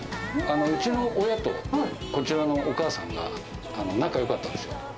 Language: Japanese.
うちの親とこちらのお母さんが仲よかったんですよ。